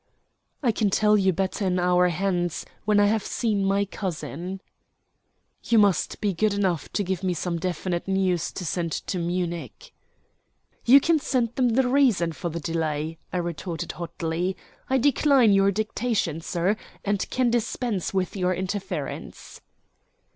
"I can tell you better an hour hence, when I have seen my cousin." "You must be good enough to give me some definite news to send to Munich." "You can send them the reason for the delay," I retorted hotly. "I decline your dictation, sir, and can dispense with your interference."